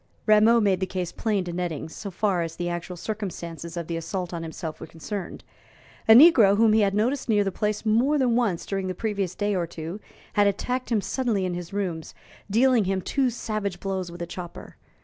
Rameau made the case plain to Nettings, so far as the actual circumstances of the assault on himself were concerned. A negro whom he had noticed near the place more than once during the previous day or two had attacked him suddenly in his rooms, dealing him two savage blows with a chopper.